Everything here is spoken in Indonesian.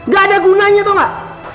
gak ada gunanya tau gak